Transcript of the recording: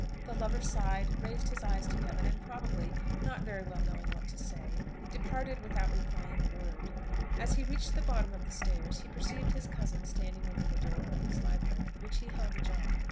The lover sighed, raised his eyes to heaven, and probably, not very well knowing what to say, departed without replying a word. As he reached the bottom of the stairs, he perceived his cousin standing within the door of his library, which he held ajar.